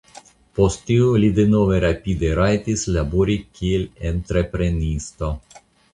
Post tio li denove rapide rajtis labori kiel entreprenisto.